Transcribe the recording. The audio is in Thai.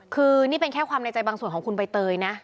คือนี่เป็นแค่ความในใจบางส่วนของคุณใบเตยนะ